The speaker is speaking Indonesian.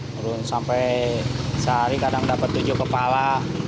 turun sampai sehari kadang dapat tujuh kepala